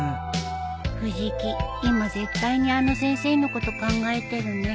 藤木今絶対にあの先生のこと考えてるね